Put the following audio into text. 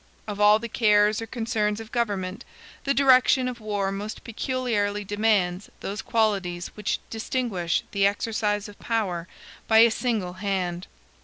Of all the cares or concerns of government, the direction of war most peculiarly demands those qualities which distinguish the exercise of power by a single hand.